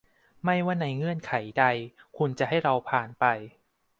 ไม่ว่าในเงื่อนไขใด คุณจะให้เราผ่านไป